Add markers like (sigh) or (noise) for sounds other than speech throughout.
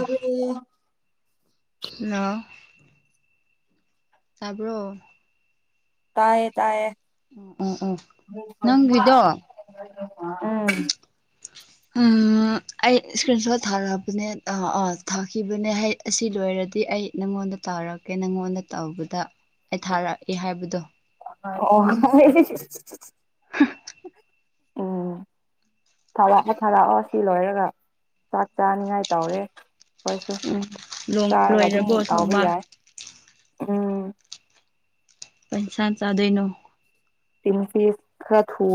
ꯑꯗꯨ ꯍꯜꯂꯣ ꯇꯥꯕ꯭ꯔꯣ ꯇꯌꯦ ꯇꯌꯦ ꯑꯣ ꯑꯣ ꯑꯣ ꯅꯪꯒꯤꯗꯣ ꯎꯝ ꯑꯩ ꯏꯁꯀ꯭ꯔꯤꯟ ꯁꯣꯠ ꯊꯥꯔꯛꯑꯕꯅꯦ ꯑ ꯊꯥꯈꯤꯕꯅꯦ ꯑꯩ ꯑꯁꯤ ꯂꯣꯏꯔꯗꯤ ꯑꯩ ꯅꯪꯉꯣꯟꯗ ꯇꯥꯔꯛꯀꯦ ꯅꯪꯉꯣꯟꯗ ꯇꯧꯕꯗ ꯑꯩ ꯊꯥꯔꯛꯑꯦ ꯍꯥꯏꯕꯗꯣ ꯑꯣ (inaudible) ꯎꯝ ꯊꯥꯔꯛꯑꯣ ꯊꯥꯔꯛꯑꯣ ꯁꯤ ꯂꯣꯏꯔꯒ ꯆꯥꯛ ꯆꯥꯅꯤꯉꯥꯏ ꯇꯧꯔꯦ ꯑꯩꯈꯣꯏꯁꯨ ꯎꯝ ꯆꯥꯔꯒ ꯂꯣꯏꯔꯕꯣ ꯊꯣꯡꯕ ꯎꯡ ꯄꯩꯁꯥ ꯆꯥꯗꯣꯏꯅꯣ ꯇꯤꯟꯐꯤꯁ ꯈꯔ ꯊꯨ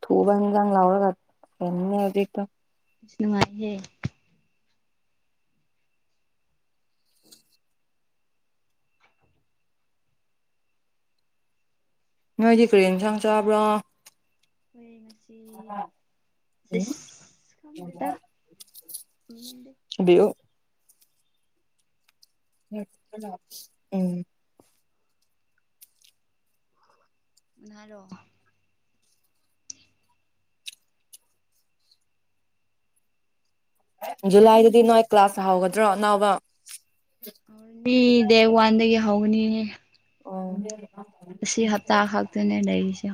ꯊꯨꯎꯕꯖꯥꯡ ꯂꯧꯔꯒ ꯐꯅꯤ ꯍꯧꯖꯤꯛ ꯅꯨꯡꯉꯥꯏꯌꯦ ꯅꯣꯏꯗꯤ ꯀꯔꯤ ꯌꯦꯟꯁꯥꯡ ꯆꯥꯕ꯭ꯔꯥ ꯑꯩꯈꯣꯏ ꯎꯝ ꯉ ꯊꯤꯟꯕꯤꯌꯨ ꯈꯪꯗꯗꯃꯤꯗꯦ ꯎꯝ ꯀꯅꯥꯔ‌ꯣ ꯖꯨꯂꯥꯏꯗꯗꯤ ꯅꯣꯏ ꯀ꯭ꯂꯥꯁ ꯍꯥꯎꯒꯗ꯭ꯔꯣ ꯑꯅꯧꯕ ꯗꯤ ꯗꯦꯠ ꯋꯥꯟꯗꯒꯤ ꯍꯧꯒꯅꯤꯌꯦ ꯑꯣ ꯑꯁꯤ ꯍꯞꯇꯥ ꯈꯛꯇꯅꯦ ꯂꯩꯔꯤꯁꯦ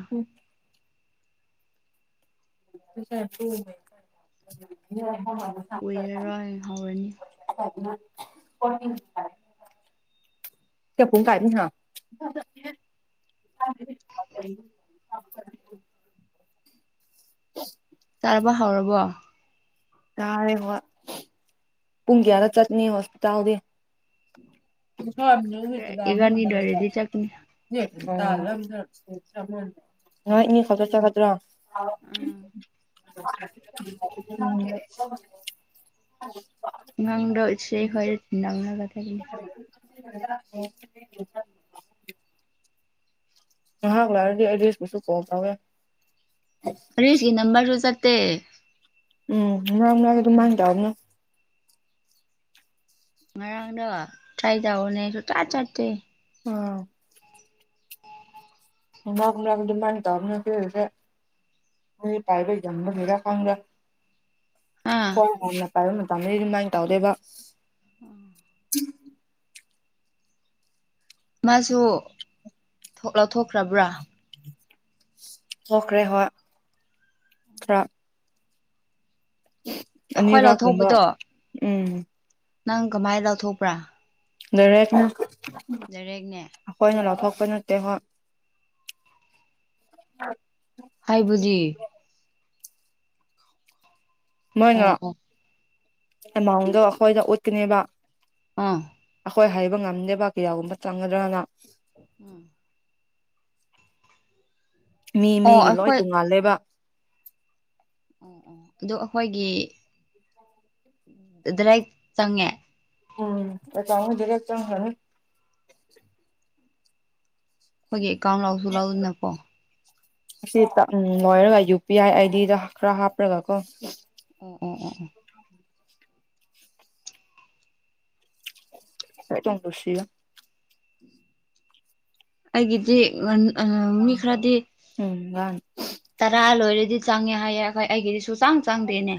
(unintelligible) ꯀꯨꯏꯔꯔꯣꯏ ꯍꯧꯔꯅꯤ ꯆꯄꯨꯡ ꯀꯥꯅꯤ ꯍꯥ (inaudible) ꯊꯥꯎꯔꯕꯣ ꯌꯥꯥꯔꯦ ꯍ ꯄꯨꯡ ꯀꯌꯥꯗ ꯆꯠꯅꯤ ꯍꯣꯁꯄꯤꯇꯥꯗꯤ ꯈꯪꯗ꯭ꯔꯦ ꯔꯅꯗ ꯏꯕꯥꯅꯤ ꯃꯗꯥ ꯂꯣꯏꯔꯗꯤ ꯆꯠꯀꯅꯤ ꯌꯦ ꯅꯣꯏ ꯑꯅꯤ ꯈꯠꯇ ꯆꯠꯀꯇ꯭ꯔꯥ ꯑ ꯎꯡ ꯑ ꯑꯉꯥꯡꯗꯣ ꯏꯆꯦ ꯈꯣꯏꯗ ꯊꯤꯟꯂꯝꯂꯒ ꯆꯠꯀꯅꯤ (unintelligible) ꯉꯥꯍꯥꯛ ꯂꯩꯔꯗꯤ ꯑꯦꯗ꯭ꯔꯁ ꯄꯨꯁꯨ ꯀꯣꯜ ꯇꯧꯋꯦ ꯍꯔꯦꯁꯀꯤ ꯅꯝꯕꯔ ꯔꯣ ꯆꯠ ꯑꯦ ꯎꯝ ꯅꯡ ꯃꯥꯏ ꯑꯗꯨꯃꯥꯏ ꯇꯧꯔꯅꯨ ꯉꯔꯥꯡꯗꯣ ꯇ꯭ꯔꯥꯏꯖ ꯍꯅꯦꯁꯨ ꯇꯥ ꯆꯠꯇꯦ ꯎꯡ (unintelligible) ꯍꯣꯏ ꯍꯥ ꯍꯣꯏ ꯄꯥꯏꯕ ꯃꯇꯝꯗ ꯑꯗꯨꯃꯥꯏꯅ ꯇꯧꯗꯦꯕ ꯃꯥꯁꯨ ꯊꯣꯛ ꯂꯧꯊꯣꯛꯈ꯭ꯔꯕ꯭ꯔꯥ ꯊꯣꯛꯈ꯭ꯔꯦ ꯍꯣꯏ ꯈꯔ ꯑꯩꯈꯣꯏ ꯑꯅꯤꯔꯛ ꯀꯨꯝꯕ ꯂꯧꯊꯣꯛꯄꯗꯣ ꯎꯡ ꯅꯪ ꯀꯃꯥꯏ ꯂꯧꯊꯣꯛꯄ꯭ꯔꯥ ꯂꯩꯔꯣꯏꯅ ꯗꯥꯏꯔꯦꯛꯅꯦ ꯑꯩꯈꯣꯏꯅ ꯂꯧꯊꯣꯛ ꯅꯠꯇꯦ ꯍꯣꯏ (unintelligible) ꯍꯥꯏꯕꯗꯤ ꯃꯣꯏꯅ ꯑꯣ ꯑꯣ ꯑꯦꯃꯥꯎꯟꯗꯣ ꯑꯩꯈꯣꯏꯗ ꯎꯠꯀꯅꯦꯕ ꯑꯥ ꯍꯣꯏ ꯍꯥꯏꯕ ꯉꯝꯗꯦꯕ ꯀꯌꯥꯒꯨꯝꯕ ꯆꯪꯒꯗ꯭ꯔꯒꯅ ꯃꯤ ꯑꯣ ꯃꯤꯒꯤ ꯂꯣꯏ ꯑꯩꯈꯣꯏ ꯇꯣꯡꯉꯥꯜꯂꯦꯕ ꯑꯗꯨ ꯑꯩꯈꯣꯏꯒꯤ ꯗꯥꯏꯔꯦꯛ ꯆꯪꯉꯦ ꯎꯝ ꯑꯦꯀꯥꯎꯟꯗ ꯗꯥꯏꯔꯦꯛ ꯆꯪꯈꯔꯅꯤ ꯑꯩꯈꯣꯏꯒꯤ ꯑꯦꯀꯥꯎꯟ ꯂꯥꯎꯁꯨ ꯂꯥꯎꯗꯅꯀꯣ ꯑꯁꯤ ꯎ ꯂꯣꯏꯔꯒ ꯌꯨ ꯄꯤ ꯑꯥꯏ ꯑꯥꯏꯗꯤꯗ ꯈꯔ ꯍꯥꯞꯄ꯭ꯔꯒ ꯀꯣ ꯑꯣ ꯑꯣ ꯑꯣ ꯑꯣ (unintelligible) ꯑꯩꯒꯤꯗꯤ ꯋꯥꯟ ꯎꯡ ꯃꯤ ꯈꯔꯗꯤ ꯎꯝ ꯉꯥꯟ ꯇꯔꯥ ꯂꯣꯏꯔꯗꯤ ꯆꯪꯉꯦ ꯍꯥꯏꯌꯦ ꯑꯩꯈ‌ꯣꯏ ꯑꯩꯒꯤꯗꯤ ꯁꯨ ꯁꯨꯆꯥꯡ ꯆꯥꯡꯗꯦꯅꯦ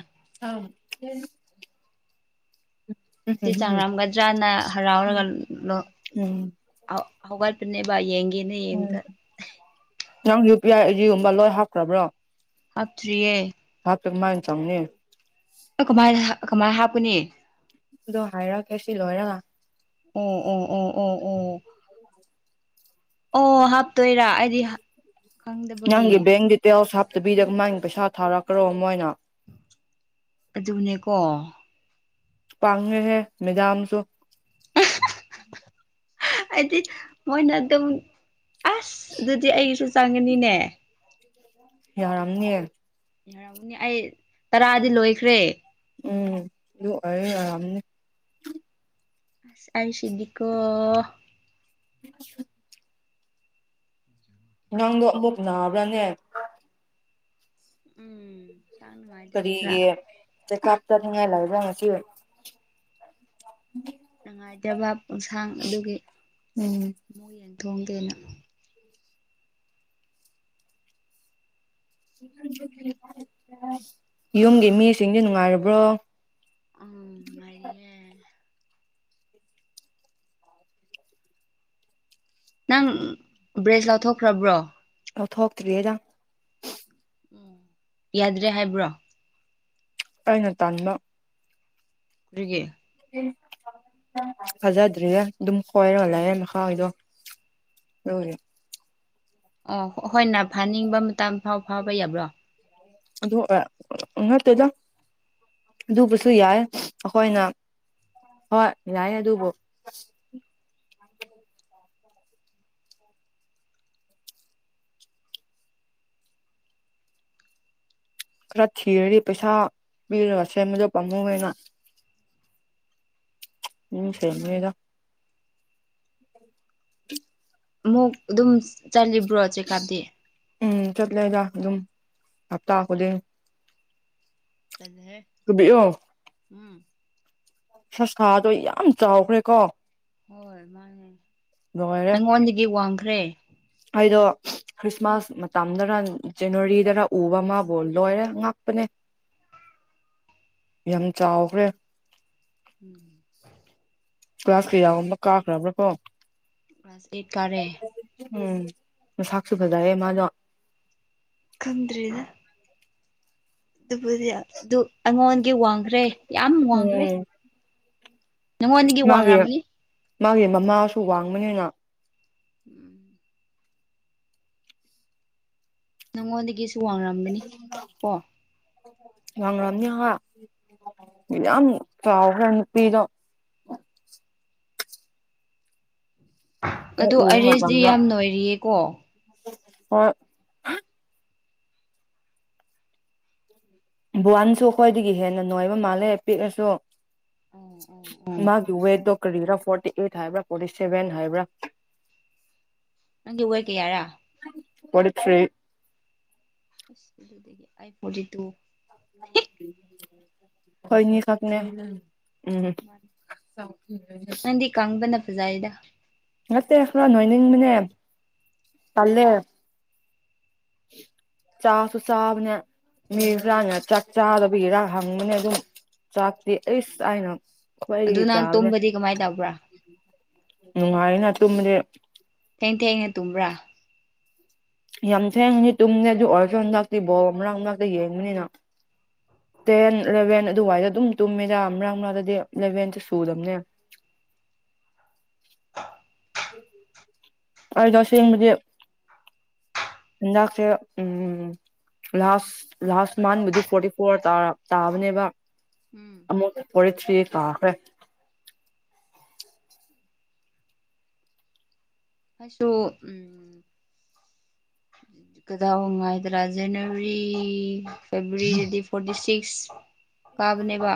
ꯎꯝ ꯑꯁꯤ ꯎꯝ ꯆꯥꯡꯉꯂꯝꯒꯗ꯭ꯔꯥꯅ ꯍꯔꯥꯎꯔꯒ ꯎꯝ ꯍꯧꯒꯠ ꯕꯥꯅꯦꯕ ꯌꯦꯡꯒꯦ ꯒꯦꯅ ꯎꯝ ꯌꯦꯡꯕꯗ ꯅꯪ ꯌꯨ ꯄꯤ ꯑꯥꯏ ꯑꯥꯏꯗꯤꯒꯨꯝꯕ ꯂꯣꯏ ꯍꯥꯞꯈ꯭ꯔꯕ꯭ꯔꯣ ꯍꯥꯞꯇꯔ꯭ꯤꯌꯦ ꯆꯧꯅꯦ ꯀꯃꯥꯏ ꯀꯃꯥꯏꯅ ꯍꯥꯞꯄꯅꯤ ꯗꯣ ꯍꯥꯏꯔ ꯀꯦꯁꯤ ꯂꯣꯏꯔꯒ ꯎꯝ ꯎꯝ ꯎꯝ ꯎꯝ ꯎꯝ ꯑꯣ ꯍꯥꯞꯇꯣꯏꯔꯥ ꯑꯩꯗꯤ ꯈꯪꯗꯕꯒꯤ ꯅꯪꯒꯤ ꯕꯦꯡ ꯗꯤꯇꯦꯜ ꯆꯕꯤꯗꯒ ꯃꯥꯏꯒꯤ ꯄꯩꯁꯥ ꯊꯥꯔꯛꯀ꯭ꯔꯔꯣ ꯃꯣꯏꯅ ꯑꯗꯨꯅꯦꯀꯣ ꯄꯥꯡꯉꯦ ꯍꯦ ꯃꯦꯗꯥꯝꯁꯨ ꯍꯥꯏꯗꯤ ꯃꯣꯏ ꯅꯠꯇꯗ ꯑꯁ ꯑꯗꯨꯗꯤ ꯑꯩꯁꯨ ꯆꯪꯉꯥꯅꯤꯅꯦ ꯌꯥꯔꯝꯅꯤ ꯌꯥꯔꯝꯅꯤ ꯑꯩ ꯇꯔꯥꯗꯤ ꯂꯣꯏꯈ꯭ꯔꯦ ꯎꯝ ꯑꯗꯨ ꯑꯣꯏꯔ ꯌꯥꯔꯝꯅꯤ ꯑꯩ ꯑꯩꯁꯤꯗꯤꯀꯣ (inaudible) ꯅꯪꯗꯣ ꯑꯃꯨꯛ ꯅꯥꯕ꯭ꯔꯥꯅꯦ ꯎꯝ ꯍꯛꯆꯥꯡ ꯅꯨꯡꯉꯥꯏꯇꯕ ꯈꯔ ꯀꯔꯤꯒꯤ ꯆꯥꯛꯆꯥ ꯆ ꯊꯉꯥꯏ ꯂꯩꯕ ꯉꯥꯁꯤ ꯁꯪꯉꯥꯏ ꯇꯦꯕꯥꯞ ꯑꯣꯟꯁꯥꯡ ꯑꯗꯨꯒꯤ ꯎꯝ ꯃꯛ ꯌꯦꯡ ꯊꯣꯡꯒꯦꯅ ꯌꯨꯝꯒꯤ ꯃꯤꯁꯤꯡꯗꯤ ꯅꯨꯡꯉꯥꯏꯔꯕ꯭ꯔꯣ ꯎꯝ ꯃꯔꯤꯅꯦ ꯅꯪ ꯕ꯭ꯔꯦꯁ ꯂꯧ ꯊꯣꯛꯈ꯭ꯔꯕ꯭ꯔꯣ ꯂꯧꯊꯣꯛꯇꯔꯤꯗ ꯎꯝ ꯌꯥꯗ꯭ꯔꯦ ꯍꯥꯏꯕ꯭ꯔꯣ ꯑꯩꯅ ꯇꯟꯕ ꯀꯔꯤꯒꯤ ꯐꯖꯗ꯭ꯔꯦ ꯑꯗꯨꯝ ꯈꯣꯏꯔꯒ ꯂꯩꯔꯦ ꯃꯈꯥꯒꯤꯗꯣ ꯂꯣꯏꯔꯦ ꯑ ꯍꯣꯏꯅ ꯐꯥꯅꯤꯡꯕ ꯃꯇꯝ ꯐꯥꯎ ꯐꯥꯕ ꯌꯥꯕ꯭ꯔꯣ ꯑꯗꯨ ꯑ ꯅꯠꯇꯦꯗ ꯑꯗꯨꯕꯨꯁꯨ ꯌꯥꯏ ꯑꯩꯈꯣꯏꯅ ꯍꯣꯏ ꯌꯥꯏ ꯑꯗꯨꯕꯨ ꯈꯔ ꯊꯤꯔꯗꯤ ꯄꯩꯁꯥ ꯄꯤꯔꯨꯔꯁꯦ ꯃꯗꯨ ꯄꯥꯝꯃꯨꯡ ꯑꯣꯏꯅ ꯎꯝ ꯃꯥꯅꯤ ꯐꯦꯃꯦꯗ (inaudible) ꯃꯨ ꯑꯗꯨꯝ ꯆꯂꯤꯕ꯭ꯔꯣ ꯆꯦꯀꯥꯞꯗꯦ ꯎꯝ ꯆꯠꯂꯦꯗ ꯑꯗꯨꯝ ꯍꯞꯇꯥ ꯈꯨꯗꯤꯡ ꯇꯜꯂꯦꯍꯦ ꯎꯝ ꯁꯥꯁꯥꯗꯣ ꯌꯥꯝ ꯆꯥꯎꯈ꯭ꯔꯦꯀꯣ ꯍꯣꯏ ꯃꯥꯅꯦ ꯂꯣꯏꯔꯦ ꯅꯪꯉꯣꯟꯗꯒꯤ ꯋꯥꯡ ꯈ꯭ꯔꯦ ꯑꯩꯗꯣ ꯈ꯭ꯔꯤꯁꯃꯥꯁ ꯃꯇꯝꯗꯅ ꯖꯅꯋꯥꯔꯤꯗꯅ ꯎꯕ ꯃꯥꯕꯨ ꯂꯣꯏꯔꯦ ꯉꯥꯛꯄꯅꯦ ꯌꯥꯝ ꯆꯥꯎꯈ꯭ꯔꯦ ꯎꯝ ꯀ꯭ꯂꯥꯁ ꯀꯌꯥꯒꯨꯝꯕ ꯀꯥꯈ꯭ꯔꯕ꯭ꯔꯥ ꯀꯣ ꯀ꯭ꯂꯥꯁ ꯑꯦꯠ ꯀꯥꯔꯦ ꯎꯝ ꯃꯁꯥꯛꯁꯨ ꯐꯖꯑꯦ ꯃꯥꯗꯣ ꯈꯪꯗ꯭ꯔꯤꯗ ꯑꯗꯨꯕꯨꯗꯤ ꯑꯗꯨ ꯑꯩꯉꯣꯟꯒꯤ ꯋꯥꯡꯈ꯭ꯔꯦ ꯌꯥꯝ ꯋꯥꯡꯈ꯭ꯔꯦ ꯎꯝ ꯅꯪꯉꯣꯟꯗꯒꯤ ꯋꯥꯡ ꯃꯥꯒꯤ ꯉꯃꯅꯤ ꯃꯥꯒꯤ ꯃꯃꯥꯁꯨ ꯋꯥꯡꯕꯅꯤꯅ ꯎꯝ ꯅꯪꯉꯣꯟꯗꯥꯒꯤ ꯁꯨ ꯋꯥꯡꯂꯝꯕꯒꯅꯤ ꯀꯣ ꯉꯥꯡꯒ꯭ꯔꯝꯅꯤ ꯌꯥꯝ ꯆꯥꯎꯈ꯭ꯔꯦ ꯅꯨꯄꯤꯗꯣ ꯍꯦꯛ ꯑꯗꯨ ꯎꯕ ꯑꯔꯤꯁꯗꯤ ꯌꯥꯝ ꯅꯣꯏꯔꯤꯌꯦ ꯀꯣ ꯑꯣ ꯕꯨꯍꯟꯁꯨ ꯑꯩꯈꯣꯏꯗꯒꯤ ꯍꯦꯟꯅ ꯅꯣꯏꯕ ꯃꯥꯜꯂꯦ ꯄꯤꯛꯂꯁꯨ ꯎꯝ ꯃꯥꯒꯤ ꯋꯦꯠꯇꯣ ꯀꯔꯤꯔ ꯐꯣꯔꯇꯤ ꯑꯩꯠ ꯍꯥꯏꯕ꯭ꯔꯥ ꯐꯣꯔꯇꯤ ꯁꯦꯚꯦꯟ ꯍꯥꯏꯕ꯭ꯔꯥ ꯅꯪꯒꯤ ꯋꯦꯠ ꯀꯥꯌꯥꯔ ꯐꯦꯟꯇꯤ ꯊ꯭ꯔꯤ ꯑꯗꯨꯗꯤ ꯐꯣꯔꯇꯤ ꯇꯨ ꯍꯣꯏꯅꯤ ꯈꯛꯅꯦ ꯎꯝ ꯅꯪꯗꯤ ꯀꯪꯄꯅ ꯐꯖꯩꯗ ꯅꯠꯇꯦ ꯈꯔ ꯅꯣꯏꯅꯤꯡ ꯅꯤꯡꯕꯅꯦ ꯇꯜꯂꯦ ꯆꯥꯁꯨ ꯆꯥꯕꯅꯦ ꯃꯤꯖꯥꯅ ꯆꯥꯛ ꯆꯥꯗꯕꯤꯔ ꯍꯪꯕꯅꯦ ꯑꯗꯨꯝ ꯆꯥꯛꯇꯦ ꯑꯩꯁ ꯑꯩꯅ ꯑꯗꯨ ꯅꯪ ꯇꯨꯝꯕꯗꯤ ꯀꯃꯥꯏꯅ ꯇꯧꯕ꯭ꯔꯥ ꯅꯨꯡꯉꯥꯏꯅ ꯇꯨꯝꯕꯗꯤ ꯊꯦꯡ ꯊꯦꯡꯅ ꯇꯨꯝꯕ꯭ꯔꯥ ꯌꯥꯝ ꯊꯦꯡꯉꯅꯤ ꯇꯨꯝꯅꯤ ꯑꯗꯨ ꯑꯣꯔꯐꯣꯟ ꯍꯟꯗꯥꯛꯇꯤ ꯕꯣꯜ ꯃꯔꯥꯡ ꯃꯅꯥꯛꯇ ꯌꯦꯡꯕꯅꯤꯅ ꯇꯦꯟ ꯏꯂꯚꯦꯟ ꯑꯗꯨꯋꯥꯏꯗ ꯑꯗꯨꯝ ꯇꯨꯝꯃꯤꯔ ꯃꯔꯥꯡ ꯃꯅꯥꯛꯇꯗꯤ ꯏꯂꯚꯦꯟꯇ ꯁꯨꯗꯕꯅꯦ ꯑꯩ ꯇꯁꯦꯡꯕꯗꯤ ꯍꯤꯟꯗꯥꯛꯁꯦ ꯂꯥꯁ ꯂꯥꯁ ꯃꯟꯕꯨꯗꯤ ꯐꯣꯔꯇꯤ ꯐꯣꯔ ꯇꯥꯕꯅꯦꯕ ꯎꯝ ꯑꯃꯨꯛ ꯐꯣꯔꯇꯤ ꯊ꯭ꯔꯤ ꯇꯥꯈ꯭ꯔꯦ ꯑꯩꯁꯨ ꯎ ꯀꯗꯥꯑꯣ ꯍꯥꯏꯗ꯭ꯔꯥ ꯖꯅꯋꯥꯔꯤ ꯐꯦꯕꯋꯥꯔꯤꯗꯗꯤ ꯐꯣꯔꯇꯤ ꯁꯤꯛꯁ ꯀꯥꯕꯅꯦꯕ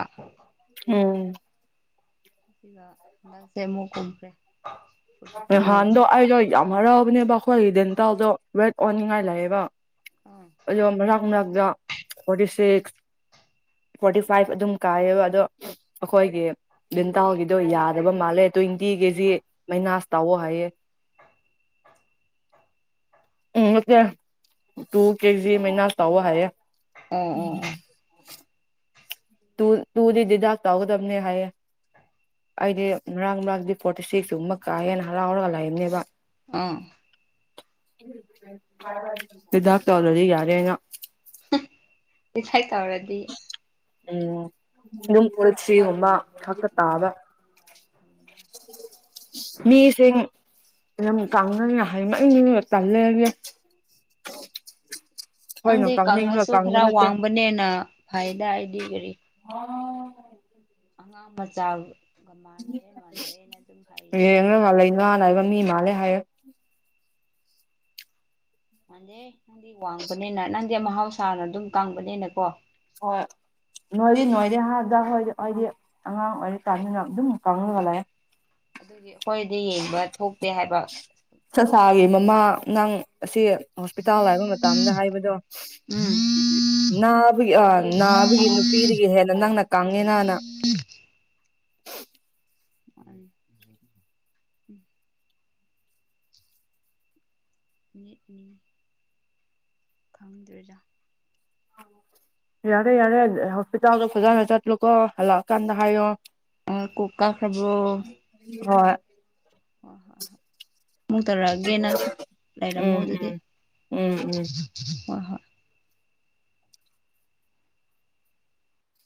ꯎꯝ ꯕꯁꯦ ꯀꯨꯝꯈ꯭ꯔꯦ ꯐꯣꯔꯇꯤ ꯇꯨ ꯍꯥꯟꯗꯣ ꯌꯥꯝ ꯍꯔꯥꯎꯕꯅꯦꯕ ꯑꯩꯈꯣꯏꯒꯤ ꯗꯦꯟꯇꯥꯎꯗꯣ ꯔꯦꯠ ꯑꯣꯟꯅꯤꯡꯉꯥꯏ ꯂꯩꯥꯛꯑꯦꯕ ꯑꯥ ꯑꯣꯖꯣ ꯔꯝ ꯂꯥꯛꯗ ꯐꯣꯔꯇꯤ ꯁꯤꯛꯁ ꯐꯣꯔꯇꯤ ꯐꯥꯏꯚ ꯑꯗꯨꯝ ꯀꯥꯏꯌꯦꯕ ꯑꯗꯣ ꯑꯩꯈꯣꯏꯒꯤ ꯂꯤꯟꯊꯧꯒꯤꯗꯣ ꯌꯥꯗꯕ ꯃꯥꯜꯂꯦ ꯇ꯭ꯋꯦꯟꯇꯤ ꯀꯦꯖꯤ ꯃꯥꯏꯅꯥꯁ ꯇꯧꯋꯣ ꯍꯥꯏꯌꯦ ꯎꯝ ꯅꯠꯇꯦ ꯇꯨ ꯀꯦꯖꯤ ꯃꯥꯏꯅꯁ ꯇꯧꯑꯣ ꯍꯥꯏꯌꯦ ꯑꯣ ꯎꯝ ꯑꯣ ꯑꯣ ꯨ ꯇꯨꯗꯤ ꯗꯤ ꯗꯥꯛ ꯇꯧꯒꯗꯕꯅꯦ ꯍꯥꯏꯌꯦꯦ ꯑꯩꯗꯤ ꯉꯔꯥꯡ ꯃꯔꯥꯡꯗꯤ ꯐꯣꯔꯇꯤ ꯁꯤꯨꯝꯕ ꯀꯥ ꯍꯦꯟꯅ ꯍꯔꯥꯎꯔꯒ ꯂꯩꯕꯝꯅꯦꯕ ꯑꯥ ꯗꯤꯗꯛ ꯇꯧꯗꯔ꯭ꯥꯗꯤ ꯌꯥꯔꯦꯅ ꯏꯁꯥꯏ ꯇꯧꯔꯗꯤ ꯎꯝ ꯏꯅꯝ ꯄꯨꯔꯁꯤ ꯒꯨꯝꯕ ꯈꯛꯇ ꯇꯥꯕ ꯃꯤꯁꯤꯡ ꯌꯥꯝ ꯀꯥꯡꯅꯅꯤ ꯍꯥꯏꯃ ꯑꯩꯅꯦ ꯇꯜꯂꯦꯒꯦ ꯅꯪꯗꯤ ꯀꯪ ꯀꯪꯅꯤꯡꯔꯒ ꯉꯥꯁꯨ ꯀꯪꯕ ꯈꯔ ꯅꯠꯇꯦ ꯋꯥꯡꯕꯅꯦꯅ ꯐꯩꯗ ꯑꯩꯗꯤ ꯀꯔꯤ ꯑꯉꯥꯡ ꯃꯆꯥ ꯃꯃꯥꯟꯅꯕꯒ ꯃꯥꯟꯅꯔꯦꯅ ꯑꯗꯨꯝ ꯍꯥꯏꯔꯤꯅꯦ ꯍꯥꯏ ꯃꯥꯟꯗꯦ ꯅꯪꯗꯤ ꯋꯥꯡꯕꯅꯤꯅ ꯅꯪꯗꯤ ꯃꯍꯧꯁꯥꯅ ꯑꯗꯨꯝ ꯀꯪꯕꯅꯤꯅꯀꯣ ꯍꯣꯏ ꯅꯣꯏꯗꯤ ꯅꯣꯏꯗꯤ ꯍꯔꯗ ꯍꯣꯏꯗꯤ ꯑꯩꯗꯤ ꯑꯉꯥꯡ ꯑꯣꯏꯔꯤ ꯇꯥꯃꯤꯟꯅ ꯎꯝ ꯑꯗꯨꯗꯤ ꯑꯩꯈꯣꯏꯗꯤ ꯌꯦꯡꯕ ꯊꯣꯛꯇꯦ ꯍꯥꯏꯕ ꯁꯁꯥꯒꯤ ꯃꯃꯥ ꯅꯪ ꯑꯁꯤ ꯍꯣꯁꯄꯤꯇꯥꯜ ꯍꯥꯏꯕ ꯃꯇꯝꯗ ꯍꯥꯏꯕꯗꯣ ꯎꯝ ꯅꯥꯕꯒꯤ ꯑ ꯅꯥꯕꯒꯤ ꯅꯨꯄꯤꯗꯒꯤ ꯍꯦꯟꯅ ꯅꯪꯅ ꯀꯥꯡꯉꯦꯅꯥꯅ ꯑ ꯎꯝ ꯌꯦꯅꯤ ꯈꯪꯗꯣꯏꯔꯥ ꯌꯥꯔꯦ ꯌꯥꯔꯦ ꯍꯣꯁꯄꯤꯇꯥꯜ ꯐꯖꯟꯅ ꯆꯠꯂꯣꯀꯣ ꯍꯥꯂꯛꯑ ꯀꯥꯟꯗ ꯍꯥꯏꯌꯣ ꯑ ꯀꯣꯛ ꯀꯈꯔ꯭ ꯥꯕꯣ ꯍꯣꯏ ꯍꯣꯏ ꯍꯣꯏ ꯍꯣꯏ ꯑꯃꯨꯛ ꯇꯧꯔꯛꯑꯒꯦꯅ ꯂꯩꯔꯝꯃꯣ ꯎꯝ ꯑꯗꯨꯗꯤ ꯎꯝ ꯎꯝ ꯎꯝ ꯍꯣꯏ ꯍꯣꯏ